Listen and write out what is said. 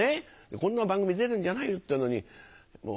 「こんな番組出るんじゃないよ」っていうのに。